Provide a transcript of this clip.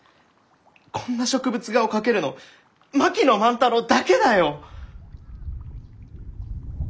こんな植物画を描けるの槙野万太郎だけだよ！